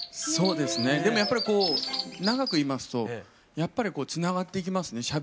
そうですねでもやっぱり長くいますとやっぱりつながっていきますね。